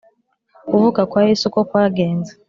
Kuvuka kwa Yesu, uko kwagenze